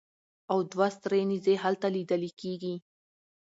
او دوه سرې نېزې هلته لیدلې کېږي.